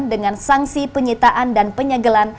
dengan sanksi penyitaan dan penyegelan